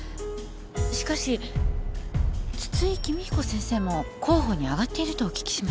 しかし津々井君彦先生も候補に挙がっているとお聞きしましたが。